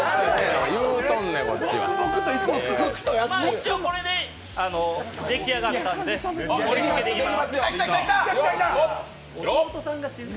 一応、これで出来上がったので盛りつけていきます。